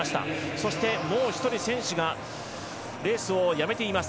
そしてもう、１人、選手がレースをやめています。